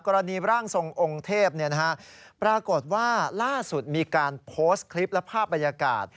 ร่างทรงองค์เทพปรากฏว่าล่าสุดมีการโพสต์คลิปและภาพบรรยากาศ